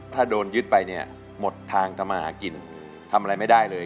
ถ้าโดนยึดไปเนี่ยหมดทางทำมาหากินทำอะไรไม่ได้เลย